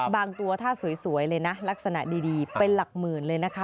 ตัวถ้าสวยเลยนะลักษณะดีเป็นหลักหมื่นเลยนะคะ